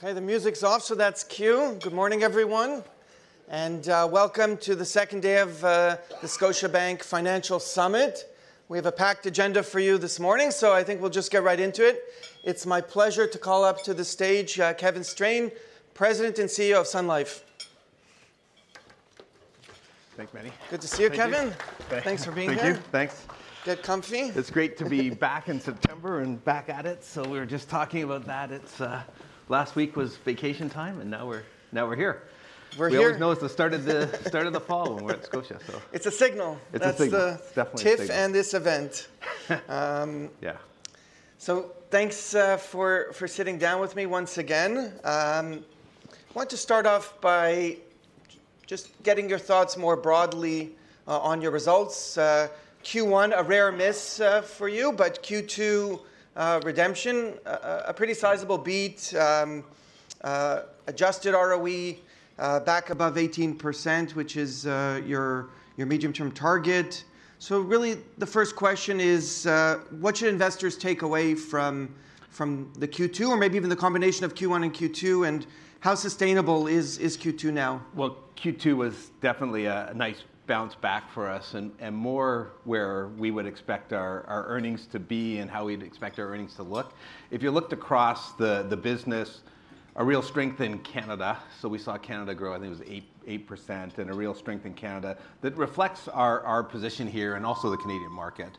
Okay, the music's off, so that's cue. Good morning, everyone, and welcome to the second day of the Scotiabank Financial Summit. We have a packed agenda for you this morning, so I think we'll just get right into it. It's my pleasure to call up to the stage Kevin Strain, President and CEO of Sun Life. Thanks, Meny. Good to see you, Kevin. Thank you. Thanks for being here. Thank you. Thanks. Get comfy. It's great to be back in September and back at it. So we were just talking about that, it's last week was vacation time, and now we're here. We're here. We always know it's the start of the fall when we're at Scotia, so- It's a signal. It's a signal. That's the- It's definitely a signal. TIFF and this event. Yeah. So thanks for sitting down with me once again. I want to start off by just getting your thoughts more broadly on your results. Q1, a rare miss for you, but Q2, redemption, a pretty sizable beat. Adjusted ROE back above 18%, which is your medium-term target. So really, the first question is what should investors take away from the Q2, or maybe even the combination of Q1 and Q2, and how sustainable is Q2 now? Q2 was definitely a nice bounce back for us, and more where we would expect our earnings to be and how we'd expect our earnings to look. If you looked across the business, a real strength in Canada. We saw Canada grow, I think it was 8%, and a real strength in Canada that reflects our position here and also the Canadian market.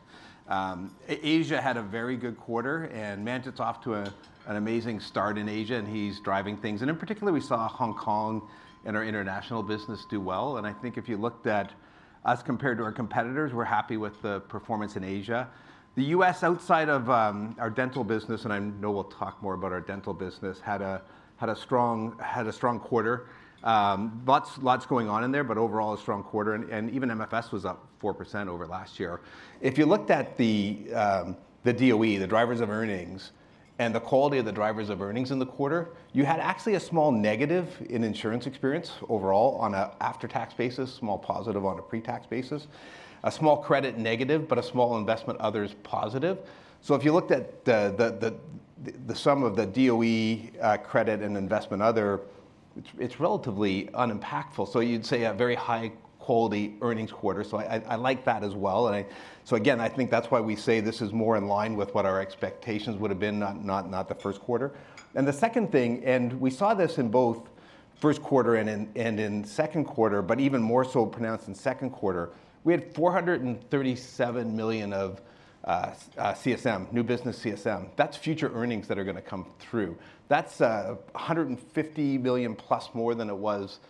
Asia had a very good quarter, and Manjit off to an amazing start in Asia, and he's driving things. In particular, we saw Hong Kong and our international business do well. I think if you looked at us compared to our competitors, we're happy with the performance in Asia. The U.S., outside of our dental business, and I know we'll talk more about our dental business, had a strong quarter. Lots going on in there, but overall, a strong quarter. And even MFS was up 4% over last year. If you looked at the DOE, the drivers of earnings, and the quality of the drivers of earnings in the quarter, you had actually a small negative in insurance experience overall on a after-tax basis, small positive on a pre-tax basis. A small credit negative, but a small investment others positive. So if you looked at the sum of the DOE, credit and investment other, it's relatively unimpactful, so you'd say a very high-quality earnings quarter. So I like that as well, and I... So again, I think that's why we say this is more in line with what our expectations would've been, not the first quarter. The second thing, we saw this in both first quarter and second quarter, but even more so pronounced in second quarter. We had 437 million of CSM, new business CSM. That's future earnings that are gonna come through. That's 150 million plus more than it was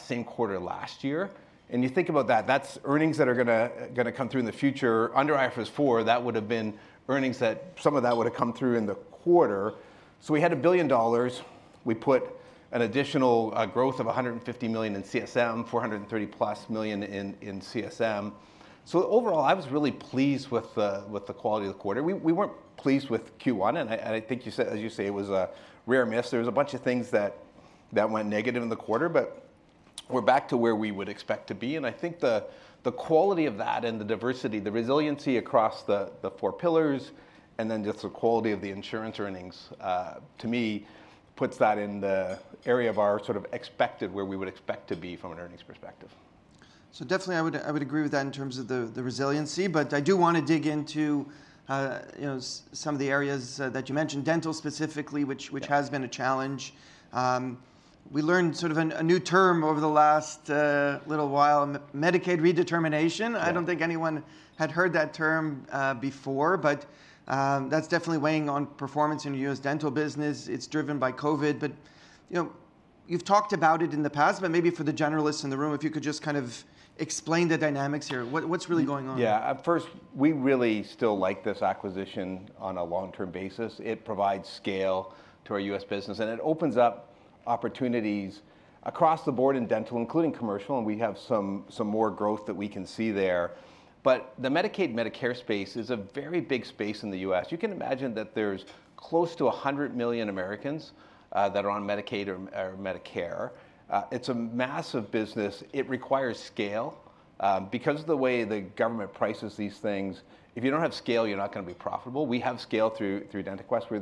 same quarter last year. You think about that, that's earnings that are gonna come through in the future. Under IFRS 4, that would've been earnings that some of that would've come through in the quarter. We had 1 billion dollars. We put an additional growth of 150 million in CSM, 430 plus million in CSM. So overall, I was really pleased with the quality of the quarter. We weren't pleased with Q1, and I think you said, as you say, it was a rare miss. There was a bunch of things that went negative in the quarter, but we're back to where we would expect to be. And I think the quality of that and the diversity, the resiliency across the four pillars, and then just the quality of the insurance earnings, to me, puts that in the area of our sort of expected, where we would expect to be from an earnings perspective. Definitely, I would agree with that in terms of the resiliency. But I do wanna dig into, you know, some of the areas that you mentioned, dental specifically- Yeah... which has been a challenge. We learned sort of a new term over the last little while, Medicaid redetermination. Yeah. I don't think anyone had heard that term before, but that's definitely weighing on performance in your U.S. dental business. It's driven by COVID. But, you know, you've talked about it in the past, but maybe for the generalists in the room, if you could just kind of explain the dynamics here. What, what's really going on? Yeah. At first, we really still like this acquisition on a long-term basis. It provides scale to our U.S. business, and it opens up opportunities across the board in dental, including commercial, and we have some more growth that we can see there. But the Medicaid, Medicare space is a very big space in the U.S. You can imagine that there's close to 100 million Americans that are on Medicaid or Medicare. It's a massive business. It requires scale. Because of the way the government prices these things, if you don't have scale, you're not gonna be profitable. We have scale through DentaQuest. We're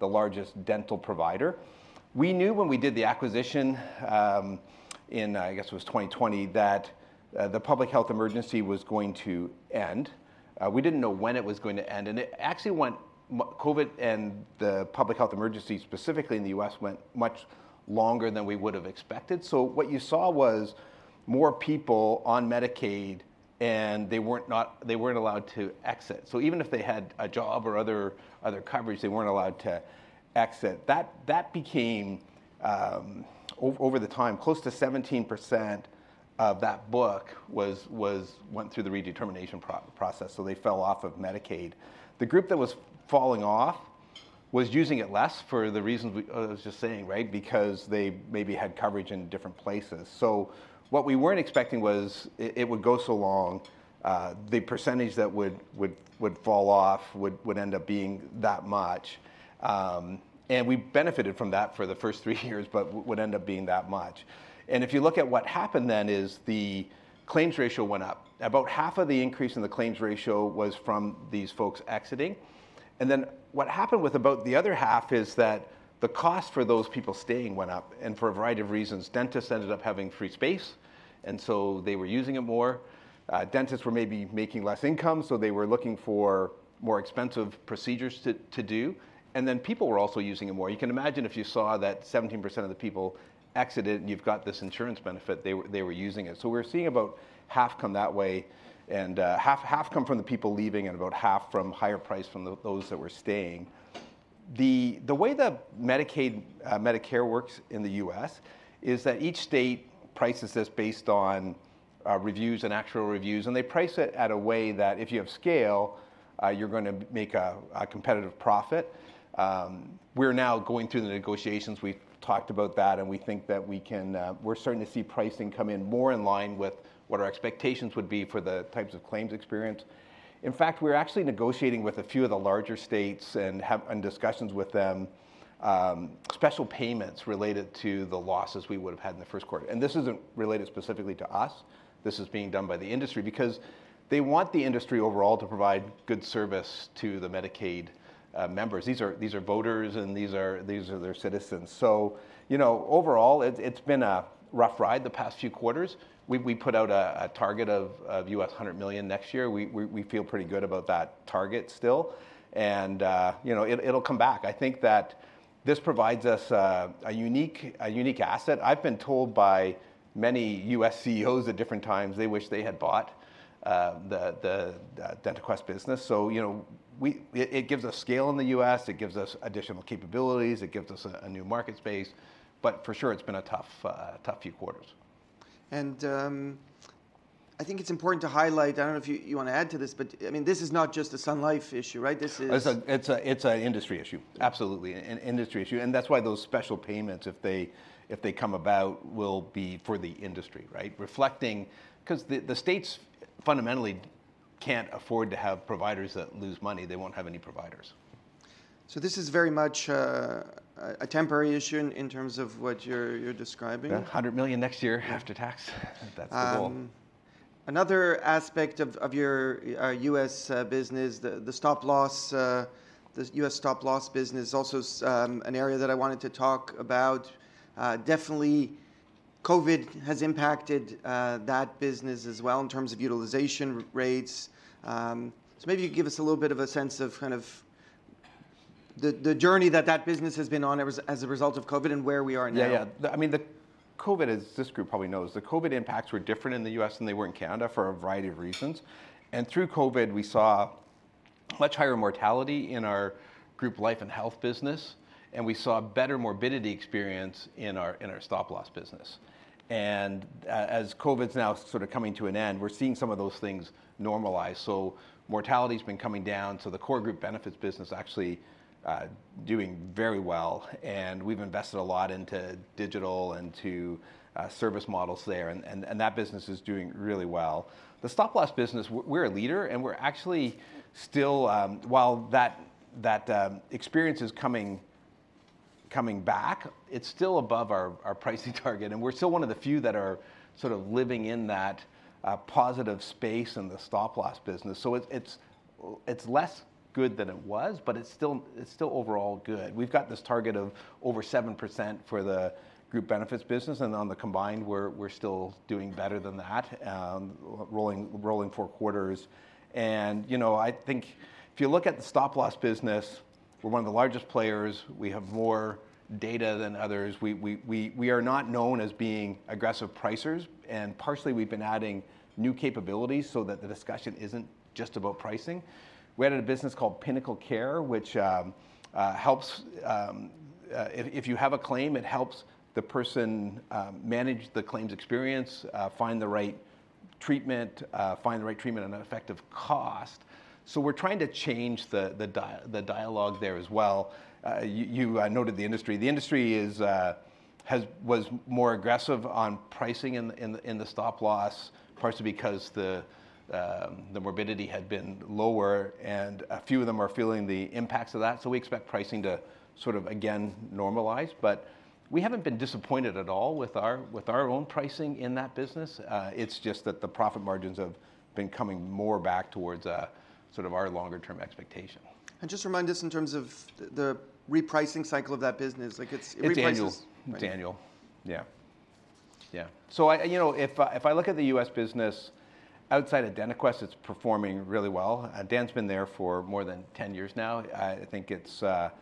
the largest dental provider. We knew when we did the acquisition, in, I guess it was 2020, that the public health emergency was going to end. We didn't know when it was going to end, and COVID and the Public Health Emergency, specifically in the U.S., went much longer than we would've expected. So what you saw was more people on Medicaid, and they weren't allowed to exit. So even if they had a job or other coverage, they weren't allowed to exit. That became over the time, close to 17% of that book went through the redetermination process, so they fell off of Medicaid. The group that was falling off was using it less for the reasons we I was just saying, right? Because they maybe had coverage in different places. So what we weren't expecting was it would go so long, the percentage that would fall off would end up being that much. And we benefited from that for the first three years, but would end up being that much. And if you look at what happened then is the claims ratio went up. About half of the increase in the claims ratio was from these folks exiting. And then what happened with about the other half is that the cost for those people staying went up. And for a variety of reasons, dentists ended up having free space, and so they were using it more. Dentists were maybe making less income, so they were looking for more expensive procedures to do, and then people were also using it more. You can imagine if you saw that 17% of the people exited and you've got this insurance benefit, they were using it. So we're seeing about half come that way, and half come from the people leaving and about half from higher price from those that were staying. The way that Medicaid, Medicare works in the U.S. is that each state prices this based on reviews and actuarial reviews, and they price it at a way that if you have scale, you're gonna make a competitive profit. We're now going through the negotiations. We've talked about that, and we think that we can. We're starting to see pricing come in more in line with what our expectations would be for the types of claims experienced. In fact, we're actually negotiating with a few of the larger states, and have discussions with them, special payments related to the losses we would've had in the first quarter. And this isn't related specifically to us. This is being done by the industry, because they want the industry overall to provide good service to the Medicaid members. These are voters, and these are their citizens. So, you know, overall, it's been a rough ride the past few quarters. We've put out a target of 100 million next year. We feel pretty good about that target still. And you know, it'll come back. I think that this provides us a unique asset. I've been told by many US CEOs at different times, they wish they had bought the DentaQuest business. You know, it gives us scale in the U.S., it gives us additional capabilities, it gives us a new market space, but for sure, it's been a tough few quarters. I think it's important to highlight. I don't know if you wanna add to this, but I mean, this is not just a Sun Life issue, right? This is- It's an industry issue. Absolutely, an industry issue, and that's why those special payments, if they come about, will be for the industry, right? Reflecting... 'Cause the states fundamentally can't afford to have providers that lose money. They won't have any providers. So this is very much a temporary issue in terms of what you're describing? About 100 million next year after tax. That's the goal. Another aspect of your U.S. business, the stop-loss business, is also an area that I wanted to talk about. Definitely, COVID has impacted that business as well, in terms of utilization rates. So maybe you could give us a little bit of a sense of kind of the journey that that business has been on as a result of COVID and where we are now. Yeah, yeah. I mean, the COVID, as this group probably knows, the COVID impacts were different in the U.S. than they were in Canada, for a variety of reasons. And through COVID, we saw much higher mortality in our group life and health business, and we saw better morbidity experience in our stop-loss business. And as COVID's now sort of coming to an end, we're seeing some of those things normalize. So mortality's been coming down, so the core group benefits business actually doing very well. And we've invested a lot into digital and to service models there, and that business is doing really well. The stop-loss business, we're a leader, and we're actually still... While that experience is coming back, it's still above our pricing target, and we're still one of the few that are sort of living in that positive space in the stop-loss business. So it's less good than it was, but it's still overall good. We've got this target of over 7% for the group benefits business, and on the combined, we're still doing better than that, rolling four quarters. You know, I think if you look at the stop-loss business, we're one of the largest players, we have more data than others. We are not known as being aggressive pricers, and partially, we've been adding new capabilities so that the discussion isn't just about pricing. We added a business called PinnacleCare, which helps... If you have a claim, it helps the person manage the claims experience, find the right treatment and effective cost. So we're trying to change the dialogue there as well. You noted the industry. The industry was more aggressive on pricing in the stop-loss, partially because the morbidity had been lower, and a few of them are feeling the impacts of that, so we expect pricing to sort of again normalize. But we haven't been disappointed at all with our own pricing in that business. It's just that the profit margins have been coming more back towards sort of our longer term expectation. Just remind us in terms of the repricing cycle of that business. Like, it reprices- It's annual. It's annual. Yeah. Yeah. So I, you know, if I look at the U.S. business, outside of DentaQuest, it's performing really well, and Dan's been there for more than 10 years now. I think it's the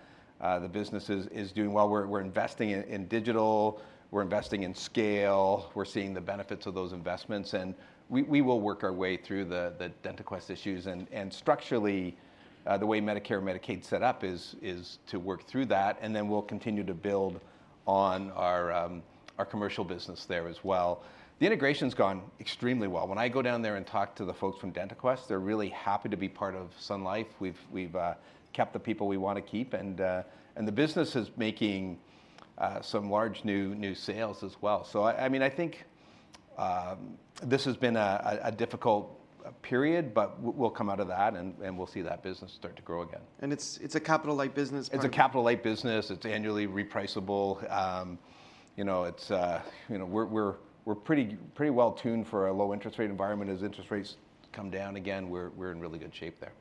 business is doing well. We're investing in digital, we're investing in scale, we're seeing the benefits of those investments, and we will work our way through the DentaQuest issues. And structurally, the way Medicare and Medicaid is set up is to work through that, and then we'll continue to build on our commercial business there as well. The integration's gone extremely well. When I go down there and talk to the folks from DentaQuest, they're really happy to be part of Sun Life. We've kept the people we want to keep, and the business is making some large new sales as well, so I mean, I think this has been a difficult period, but we'll come out of that, and we'll see that business start to grow again. It's a capital-light business, right? It's a capital-light business. It's annually repriceable. You know, it's you know, we're pretty well-tuned for a low interest rate environment. As interest rates come down again, we're in really good shape there....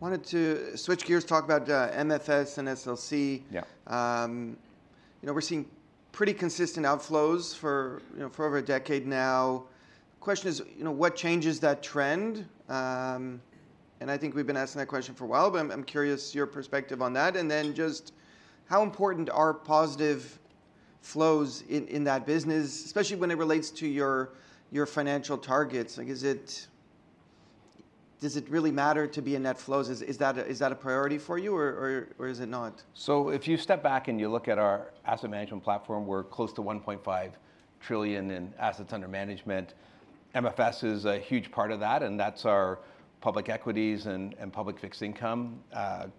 wanted to switch gears, talk about MFS and SLC. Yeah. You know, we're seeing pretty consistent outflows, you know, for over a decade now. Question is, you know, what changes that trend? I think we've been asking that question for a while, but I'm curious your perspective on that. Then just how important are positive flows in that business, especially when it relates to your financial targets? Like, does it really matter to be in net flows? Is that a priority for you or is it not? If you step back and you look at our asset management platform, we're close to one point five trillion in assets under management. MFS is a huge part of that, and that's our public equities and public fixed income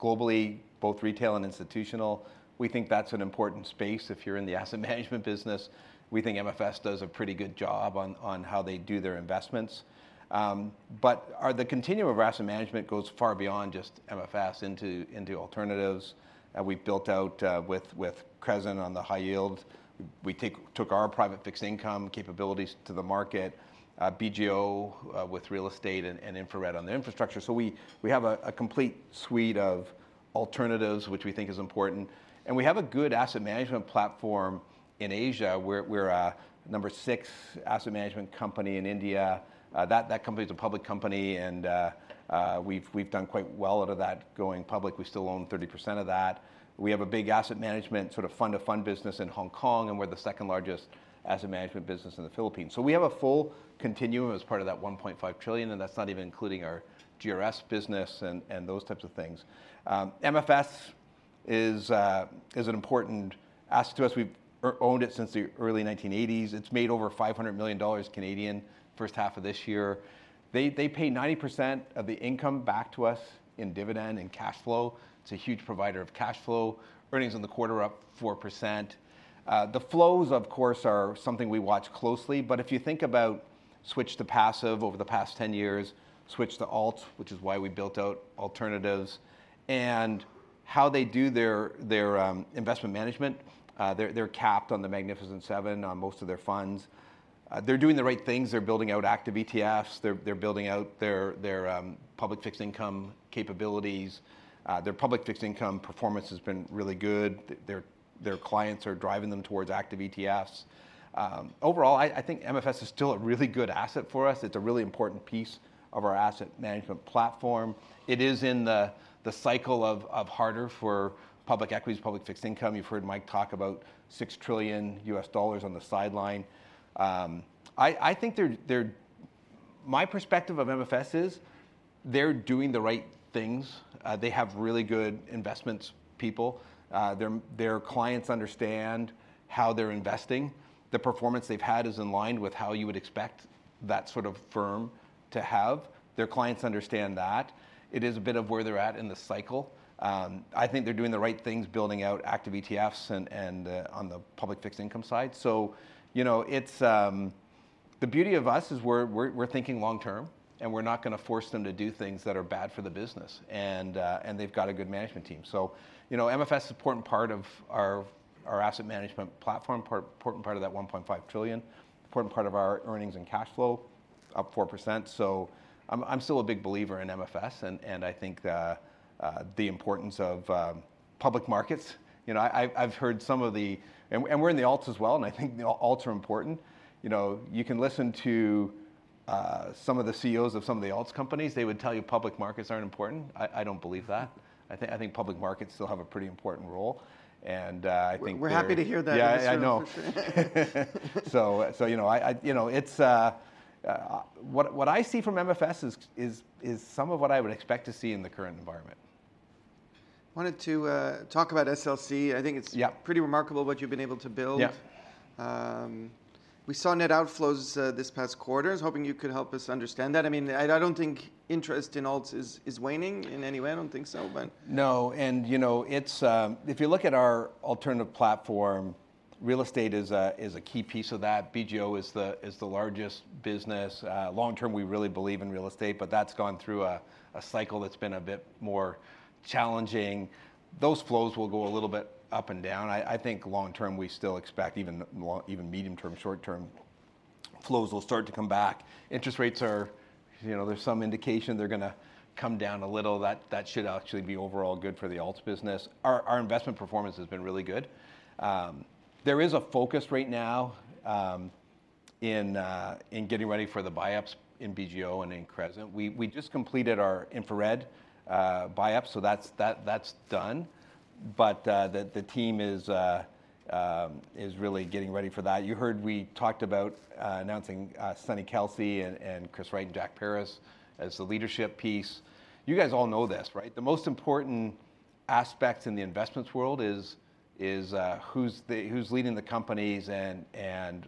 globally, both retail and institutional. We think that's an important space if you're in the asset management business. We think MFS does a pretty good job on how they do their investments. But the continuum of asset management goes far beyond just MFS into alternatives. We've built out with Crescent on the high yield. We took our private fixed income capabilities to the market, BGO with real estate, and InfraRed on the infrastructure. We have a complete suite of alternatives, which we think is important. We have a good asset management platform in Asia. We're a number six asset management company in India. That company is a public company, and we've done quite well out of that going public. We still own 30% of that. We have a big asset management, sort of fund-of-fund business in Hong Kong, and we're the second largest asset management business in the Philippines. So we have a full continuum as part of that 1.5 trillion, and that's not even including our GRS business and those types of things. MFS is an important asset to us. We've owned it since the early 1980s. It's made over 500 million Canadian dollars in the first half of this year. They pay 90% of the income back to us in dividend and cash flow. It's a huge provider of cash flow. Earnings on the quarter are up 4%. The flows, of course, are something we watch closely, but if you think about switch to passive over the past 10 years, switch to alts, which is why we built out alternatives, and how they do their investment management, they're capped on the Magnificent Seven on most of their funds. They're doing the right things, they're building out active ETFs, they're building out their public fixed income capabilities. Their public fixed income performance has been really good. Their clients are driving them towards active ETFs. Overall, I think MFS is still a really good asset for us. It's a really important piece of our asset management platform. It is in the cycle of harder for public equities, public fixed income. You've heard Mike talk about $6 trillion on the sidelines. I think they're. My perspective of MFS is, they're doing the right things. They have really good investments people. Their clients understand how they're investing. The performance they've had is in line with how you would expect that sort of firm to have. Their clients understand that. It is a bit of where they're at in the cycle. I think they're doing the right things, building out active ETFs and on the public fixed income side. So, you know, it's the beauty of us is we're thinking long term, and we're not gonna force them to do things that are bad for the business, and they've got a good management team. So, you know, MFS is an important part of our asset management platform, important part of that 1.5 trillion, important part of our earnings and cash flow, up 4%. So I'm still a big believer in MFS, and I think the importance of public markets. You know, I've heard and we're in the alts as well, and I think the alts are important. You know, you can listen to some of the CEOs of some of the alts companies, they would tell you public markets aren't important. I don't believe that. I think public markets still have a pretty important role, and I think we're- We're happy to hear that, Mr. Yeah, I know. So, you know, I... You know, it's what I see from MFS is some of what I would expect to see in the current environment. Wanted to talk about SLC. I think it's- Yeah... pretty remarkable what you've been able to build. Yeah. We saw net outflows this past quarter. I was hoping you could help us understand that. I mean, I don't think interest in alts is waning in any way. I don't think so, but- No. And, you know, it's if you look at our alternative platform, real estate is a key piece of that. BGO is the largest business. Long term, we really believe in real estate, but that's gone through a cycle that's been a bit more challenging. Those flows will go a little bit up and down. I think long term, we still expect, even long- even medium term, short term, flows will start to come back. Interest rates are... You know, there's some indication they're gonna come down a little. That should actually be overall good for the alts business. Our investment performance has been really good. There is a focus right now in getting ready for the buy-ups in BGO and in Crescent. We just completed our InfraRed buy-up, so that's done. But the team is really getting ready for that. You heard we talked about announcing Sonny Kalsi and Chris Wright and Jack Paris as the leadership piece. You guys all know this, right? The most important aspects in the investments world is who's leading the companies and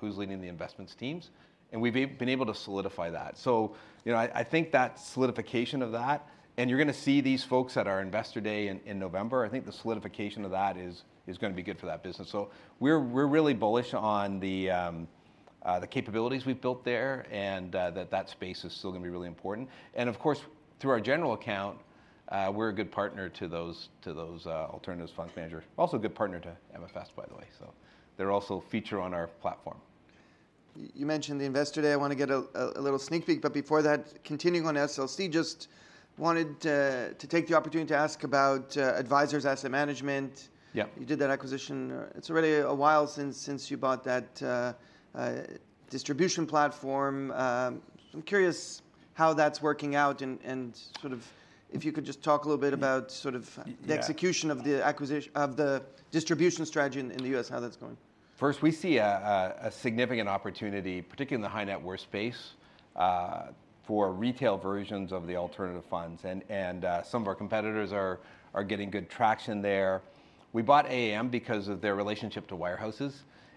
who's leading the investments teams, and we've been able to solidify that. So you know, I think that solidification of that, and you're gonna see these folks at our investor day in November. I think the solidification of that is gonna be good for that business. So we're really bullish on the capabilities we've built there, and that space is still gonna be really important. Of course, through our general account, we're a good partner to those alternatives fund manager. Also a good partner to MFS, by the way, so they're also a feature on our platform. You mentioned the Investor Day. I wanna get a little sneak peek, but before that, continuing on SLC, just wanted to take the opportunity to ask about Advisors Asset Management. Yeah. You did that acquisition. It's already a while since you bought that distribution platform. I'm curious how that's working out and sort of if you could just talk a little bit about sort of- Yeah... the execution of the acquisition of the distribution strategy in the US, how that's going? First, we see a significant opportunity, particularly in the high net worth space, for retail versions of the alternative funds, and some of our competitors are getting good traction there. We bought AAM because of their relationship to wirehouses,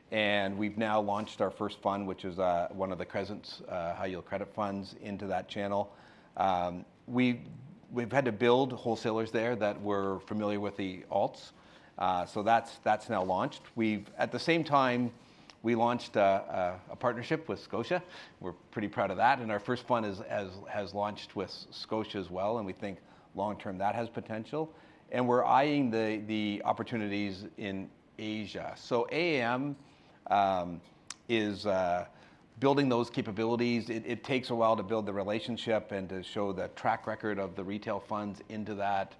and we've now launched our first fund, which is one of the Crescent's high yield credit funds into that channel. We've had to build wholesalers there that were familiar with the alts. So that's now launched. At the same time, we launched a partnership with Scotia. We're pretty proud of that, and our first fund has launched with Scotia as well, and we think long-term, that has potential. We're eyeing the opportunities in Asia. So AAM is building those capabilities. It takes a while to build the relationship and to show the track record of the retail funds into that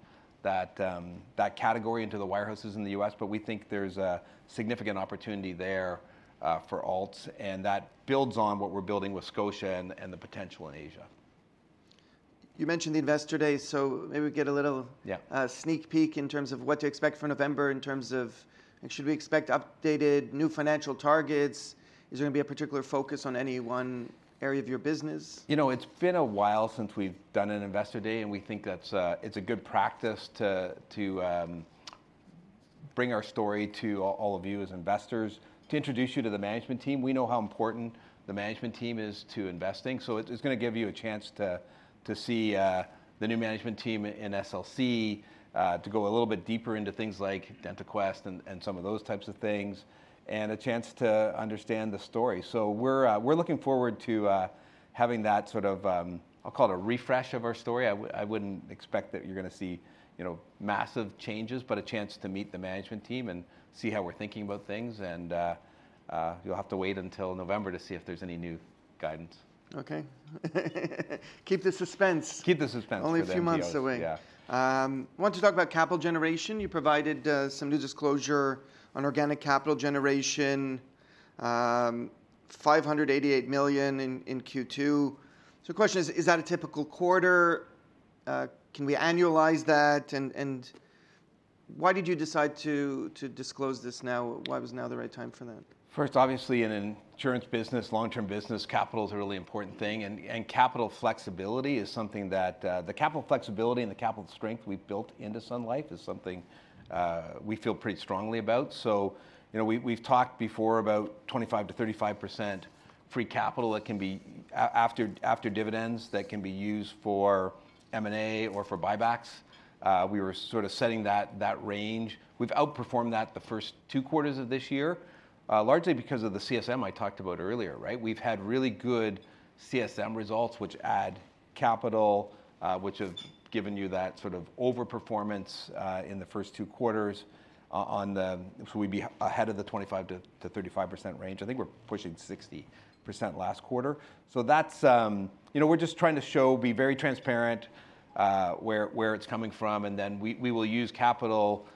category, into the wirehouses in the U.S., but we think there's a significant opportunity there for alts, and that builds on what we're building with Scotia and the potential in Asia. You mentioned the Investor Day, so maybe we get a little- Yeah... sneak peek in terms of what to expect for November in terms of... Should we expect updated new financial targets? Is there gonna be a particular focus on any one area of your business? You know, it's been a while since we've done an Investor Day, and we think that's, it's a good practice to, to, bring our story to all, all of you as investors, to introduce you to the management team. We know how important the management team is to investing, so it's gonna give you a chance to, to see, the new management team in SLC, to go a little bit deeper into things like DentaQuest and, and some of those types of things, and a chance to understand the story. So we're, we're looking forward to, having that sort of, I'll call it a refresh of our story. I wouldn't expect that you're gonna see, you know, massive changes, but a chance to meet the management team and see how we're thinking about things. You'll have to wait until November to see if there's any new guidance. Okay. Keep the suspense. Keep the suspense for then, yes. Only a few months away. Yeah. I want to talk about capital generation. You provided some new disclosure on organic capital generation, 588 million in Q2. So the question is: Is that a typical quarter? Can we annualize that, and why did you decide to disclose this now? Why was now the right time for that? First, obviously, in an insurance business, long-term business, capital is a really important thing, and capital flexibility is something that. The capital flexibility and the capital strength we've built into Sun Life is something we feel pretty strongly about. So, you know, we've talked before about 25%-35% free capital that can be after dividends, that can be used for M&A or for buybacks. We were sort of setting that range. We've outperformed that the first two quarters of this year, largely because of the CSM I talked about earlier, right? We've had really good CSM results, which add capital, which have given you that sort of overperformance in the first two quarters. So we'd be ahead of the 25%-35% range. I think we're pushing 60% last quarter. So that's, you know, we're just trying to show, be very transparent, where it's coming from, and then we will use capital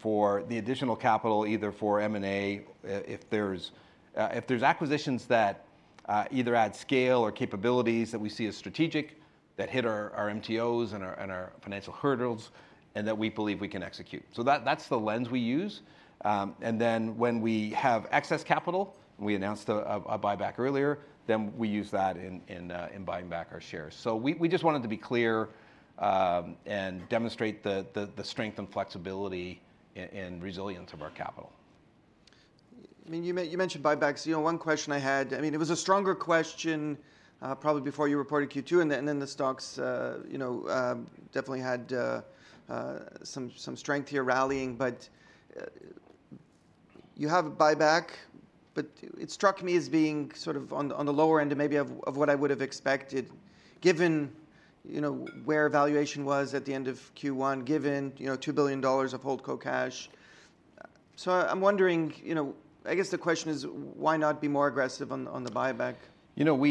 for the additional capital, either for M&A, if there's acquisitions that either add scale or capabilities that we see as strategic, that hit our MTOs and our financial hurdles, and that we believe we can execute. So that's the lens we use. And then, when we have excess capital, we announced a buyback earlier, then we use that in buying back our shares. So we just wanted to be clear, and demonstrate the strength and flexibility and resilience of our capital. I mean, you mentioned buybacks. You know, one question I had. I mean, it was a stronger question probably before you reported Q2, and then the stocks you know definitely had some strength here, rallying. But you have a buyback, but it struck me as being sort of on the lower end of maybe what I would have expected, given you know where valuation was at the end of Q1, given you know 2 billion dollars of Holdco cash. So I'm wondering, you know, I guess the question is: Why not be more aggressive on the buyback? You know,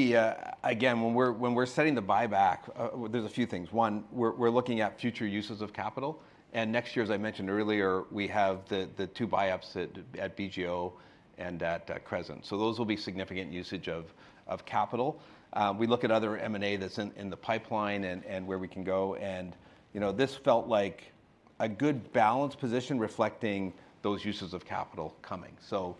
again, when we're setting the buyback, well, there's a few things. One, we're looking at future uses of capital, and next year, as I mentioned earlier, we have the two buy-ups at BGO and at Crescent. So those will be significant use of capital. We look at other M&A that's in the pipeline and where we can go and, you know, this felt like a good balanced position reflecting those uses of capital coming. So,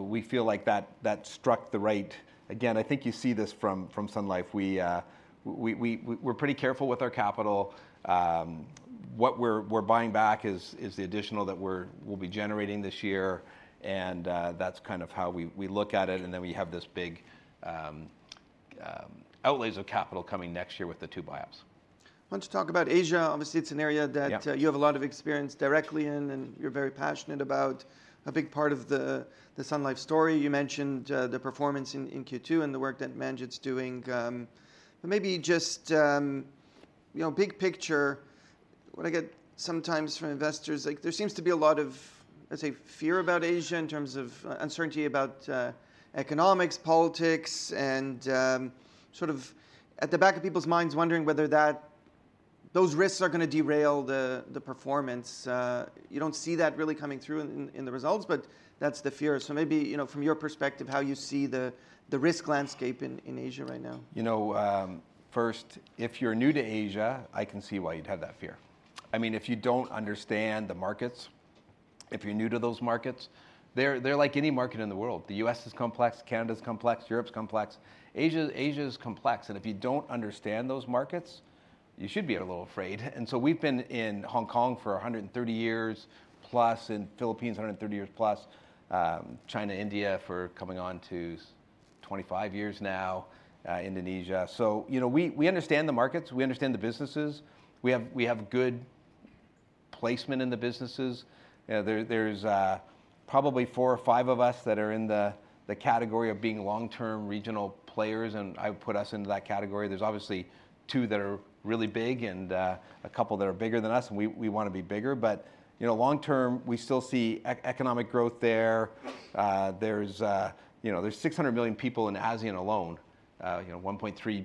we feel like that struck the right... Again, I think you see this from Sun Life. We're pretty careful with our capital. What we're buying back is the additional that we'll be generating this year, and that's kind of how we look at it, and then we have this big outlays of capital coming next year with the two buy-ups. I want to talk about Asia. Obviously, it's an area that- Yeah... you have a lot of experience directly in, and you're very passionate about. A big part of the Sun Life story, you mentioned, the performance in Q2 and the work that Manjit's doing. But maybe just, you know, big picture, what I get sometimes from investors, like, there seems to be a lot of, let's say, fear about Asia in terms of uncertainty about economics, politics, and sort of at the back of people's minds, wondering whether those risks are gonna derail the performance. You don't see that really coming through in the results, but that's the fear, so maybe, you know, from your perspective, how you see the risk landscape in Asia right now. You know, first, if you're new to Asia, I can see why you'd have that fear. I mean, if you don't understand the markets, if you're new to those markets, they're like any market in the world. The U.S. is complex, Canada's complex, Europe's complex. Asia is complex, and if you don't understand those markets, you should be a little afraid. And so we've been in Hong Kong for 130 years plus, in Philippines 130 years plus, China, India, for coming on to 25 years now, Indonesia. So, you know, we understand the markets, we understand the businesses. We have good placement in the businesses. There's probably four or five of us that are in the category of being long-term regional players, and I would put us into that category. There's obviously two that are really big and, a couple that are bigger than us, and we, we wanna be bigger. But, you know, long term, we still see economic growth there. There's, you know, there's six hundred million people in ASEAN alone. You know, one point three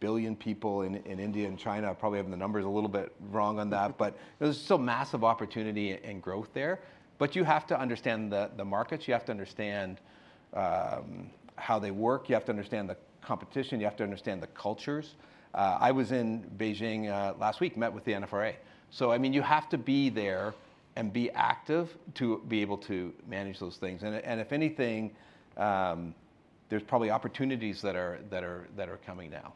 billion people in, in India and China. I probably have the numbers a little bit wrong on that. But there's still massive opportunity and growth there. But you have to understand the, the markets, you have to understand, how they work, you have to understand the competition, you have to understand the cultures. I was in Beijing, last week, met with the NFRA. So, I mean, you have to be there and be active to be able to manage those things. If anything, there's probably opportunities that are coming now.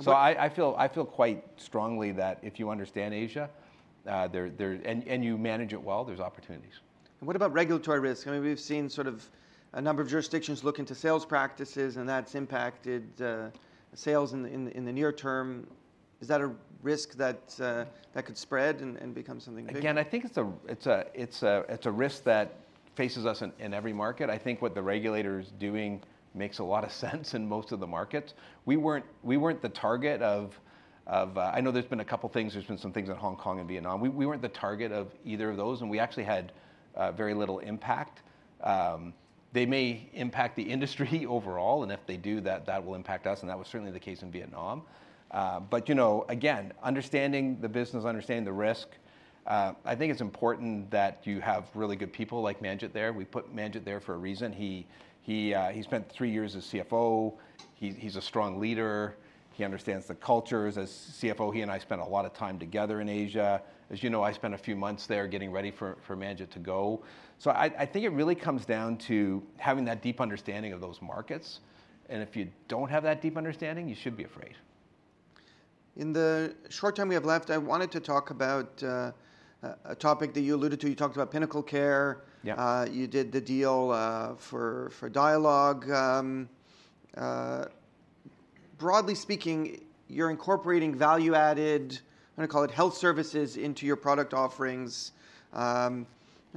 So I feel quite strongly that if you understand Asia, and you manage it well, there's opportunities. What about regulatory risk? I mean, we've seen sort of a number of jurisdictions look into sales practices, and that's impacted sales in the near term. Is that a risk that could spread and become something bigger? Again, I think it's a risk that faces us in every market. I think what the regulator is doing makes a lot of sense in most of the markets. We weren't the target of. I know there's been a couple things, there's been some things in Hong Kong and Vietnam. We weren't the target of either of those, and we actually had very little impact. They may impact the industry overall, and if they do that, that will impact us, and that was certainly the case in Vietnam. But, you know, again, understanding the business, understanding the risk, I think it's important that you have really good people like Manjit there. We put Manjit there for a reason. He spent three years as CFO. He's a strong leader. He understands the cultures. As CFO, he and I spent a lot of time together in Asia. As you know, I spent a few months there getting ready for Manjit to go. So I think it really comes down to having that deep understanding of those markets, and if you don't have that deep understanding, you should be afraid. In the short time we have left, I wanted to talk about a topic that you alluded to. You talked about PinnacleCare. Yeah. You did the deal for Dialogue. Broadly speaking, you're incorporating value-added, I'm gonna call it health services, into your product offerings. I'm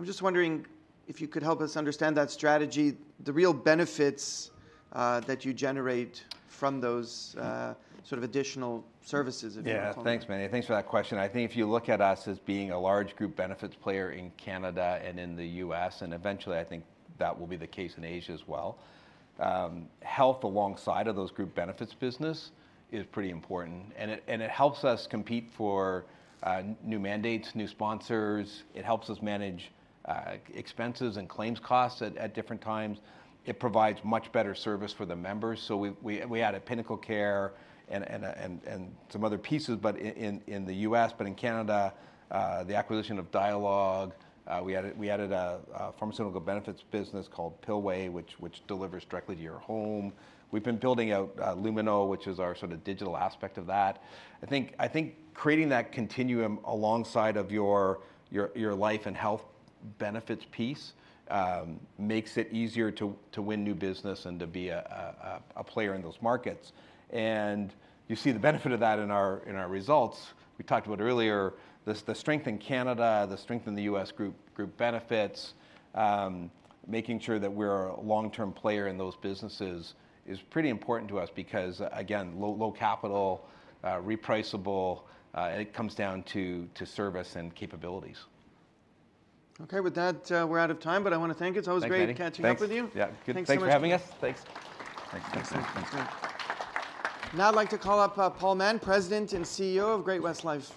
just wondering if you could help us understand that strategy, the real benefits that you generate from those sort of additional services, if you can comment. Yeah. Thanks, Meny, thanks for that question. I think if you look at us as being a large group benefits player in Canada and in the U.S., and eventually I think that will be the case in Asia as well, health alongside of those group benefits business is pretty important. And it helps us compete for new mandates, new sponsors. It helps us manage expenses and claims costs at different times. It provides much better service for the members. So we added PinnacleCare and some other pieces, but in the U.S., but in Canada, the acquisition of Dialogue. We added a pharmaceutical benefits business called Pillway, which delivers directly to your home. We've been building out Lumino, which is our sort of digital aspect of that. I think creating that continuum alongside of your life and health benefits piece makes it easier to win new business and to be a player in those markets. And you see the benefit of that in our results. We talked about earlier, the strength in Canada, the strength in the U.S. group benefits, making sure that we're a long-term player in those businesses is pretty important to us, because, again, low capital, repriceable, it comes down to service and capabilities. Okay, with that, we're out of time, but I wanna thank you. Thanks, Meny. It's always great catching up with you. Thanks. Yeah. Thanks so much. Thanks for having us. Thanks. Thanks, thanks, thanks. Now I'd like to call up, Paul Mahon, President and CEO of Great-West Life.